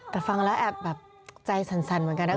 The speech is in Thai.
แต่ฟังแล้วแอบแบบใจสั่นเหมือนกันนะ